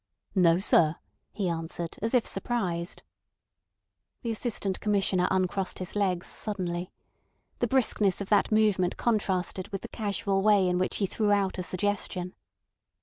"No, sir," he answered, as if surprised. The Assistant Commissioner uncrossed his legs suddenly. The briskness of that movement contrasted with the casual way in which he threw out a suggestion.